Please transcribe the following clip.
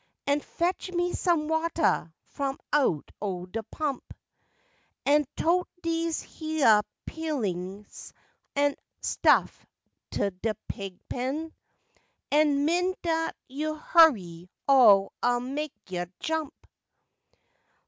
An' fetch me some watuh f'um out o' de pump, An' tote dese heah peelin's an' stuff t' de pig pen, An' min' dat yo' hurry o' ah'll mek yo' jump!